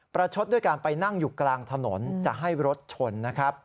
ประชดด้วยการไปนั่งอยู่กลางถนนจะให้รถชนนะครับ